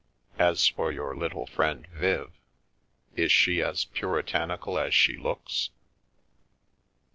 As for your little friend ' Viv '— is si as puritanical as she looks